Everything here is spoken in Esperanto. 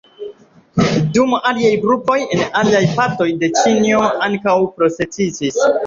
Dume aliaj grupoj en aliaj partoj de Ĉinio ankaŭ protestis.